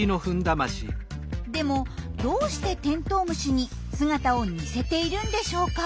でもどうしてテントウムシに姿を似せているんでしょうか？